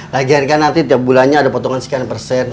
lagi harga nanti tiap bulannya ada potongan sekian persen